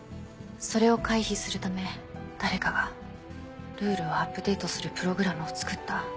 それを回避するため誰かがルールをアップデートするプログラムを作った。